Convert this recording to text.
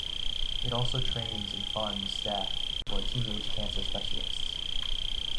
It also trains and funds staff who are teenage cancer specialists.